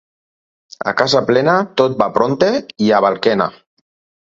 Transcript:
A casa plena tot va prompte i a balquena.